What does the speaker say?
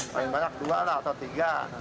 paling banyak dua lah atau tiga